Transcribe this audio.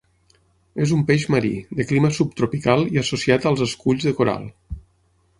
És un peix marí, de clima subtropical i associat als esculls de corall.